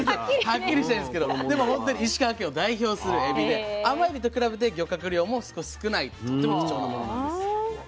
はっきりしたいんですけどでも本当に石川県を代表するエビで甘エビと比べて漁獲量も少ないとっても貴重なものなんです。